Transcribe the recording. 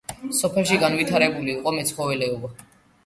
სოფელში განვითარებული იყო მეცხოველეობა.